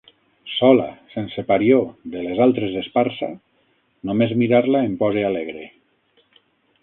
Sola, sense parió, de les altres esparsa, només mirar-la em pose alegre.